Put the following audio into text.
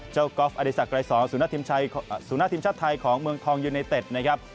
กอล์ฟอดีศักดรายสอนหน้าทีมชาติไทยของเมืองทองยูไนเต็ดนะครับ